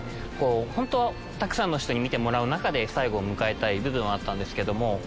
本当はたくさんの人に見てもらう中で最後を迎えたい部分はあったんですけども。